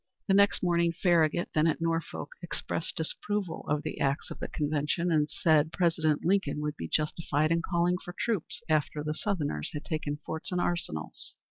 The next morning, Farragut, then at Norfolk, expressed disapproval of the acts of the convention, and said President Lincoln would be justified in calling for troops after the Southerners had taken forts and arsenals.